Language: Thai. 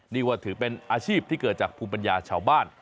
นี่ว่าถือเป็นอาชีพที่เกิดจากภูมิปัญญาชาวบ้าน